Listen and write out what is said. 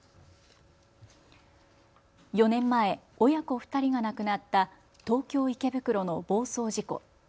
４年前、親子２人が亡くなった東京池袋の暴走事故。